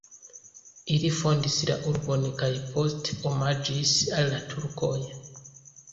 Ili fondis la urbon kaj poste omaĝis al la turkoj.